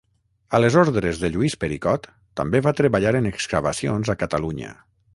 A les ordres de Lluís Pericot, també va treballar en excavacions a Catalunya.